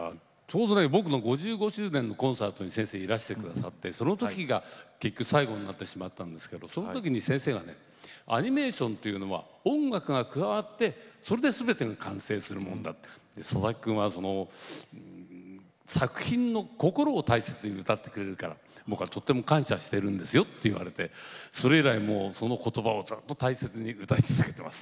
僕の５５周年のコンサートに先生がいらしてくださって結局最後になってしまったんですがその時は、先生がアニメーションというのは音楽が加わってそれがすべて完成するものだささき君は作品の心を大切に歌ってくれるから、僕はとても感謝しているんですよと言われてそれ以来、その言葉をずっと大切に歌い続けています。